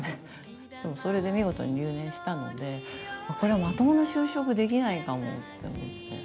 それで見事に留年したのでこれはまともな就職できないかもって思って。